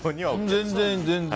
全然。